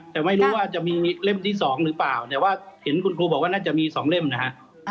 แต่ไม่รู้ว่าจะมีเล่มที่๒หรือเปล่าแต่ว่าเห็นคุณครูบอกว่าน่าจะมี๒เล่มนะฮะ